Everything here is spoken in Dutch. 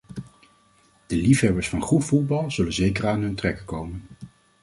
De liefhebbers van goed voetbal zullen zeker aan hun trekken komen.